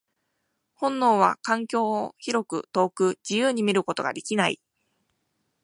本能は環境を広く、遠く、自由に見ることができない。